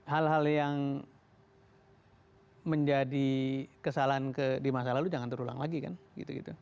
hal hal yang menjadi kesalahan di masa lalu jangan terulang lagi kan gitu gitu